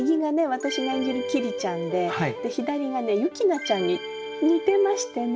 私が演じる桐ちゃんで左が雪菜ちゃんに似てましてね。